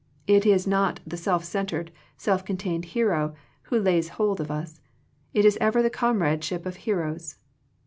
It is not the self cen tred, self contained hero, who lays hold of us; it is ever the comradeship of heroes.